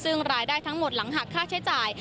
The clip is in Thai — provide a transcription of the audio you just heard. ซึ่งรายได้ทั้งหมดหลังหักค่าใช้จ่าย